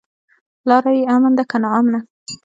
لاره يې امن ده که ناامنه؟